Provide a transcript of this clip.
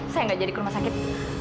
saya gak jadi kurma sakit